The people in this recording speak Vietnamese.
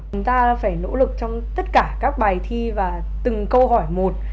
chúng ta phải nỗ lực trong tất cả các bài thi và từng câu hỏi một